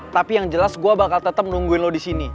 tapi yang jelas gue bakal tetep nungguin lo disini